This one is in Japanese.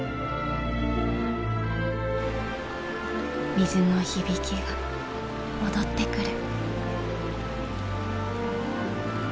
水の響きが戻ってくる。